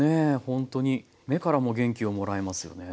ほんとに目からも元気をもらえますよね。